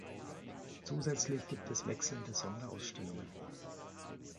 Zusätzlich gibt es wechselnde Sonderausstellungen.